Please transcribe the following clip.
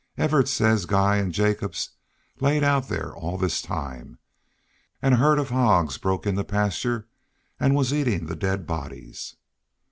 Evarts says Guy an' Jacobs laid out thar all this time. An' a herd of hogs broke in the pasture an' was eatin' the dead bodies